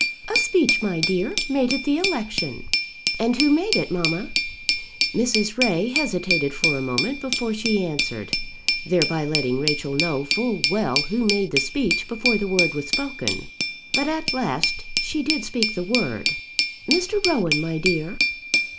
"A speech, my dear, made at the election." "And who made it, mamma?" Mrs. Ray hesitated for a moment before she answered, thereby letting Rachel know full well who made the speech before the word was spoken. But at last she did speak the word "Mr. Rowan, my dear."